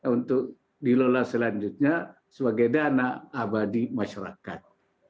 untuk dilola selanjutnya sebagai dana abadi masyarakat